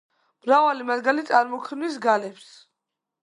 მრავალი მათგანი წარმოქმნის გალებს.